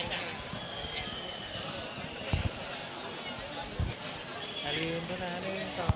น่าจะเร็วแน่ในพัก